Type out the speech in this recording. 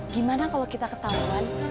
gimana kalau kita ketahuan